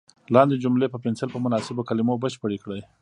لاندې جملې په پنسل په مناسبو کلمو بشپړې کړئ.